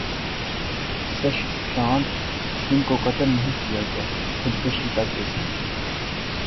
سشانت سنگھ کو قتل نہیں کیا گیا یہ خودکشی کا کیس ہے